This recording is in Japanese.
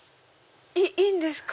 いいんですか？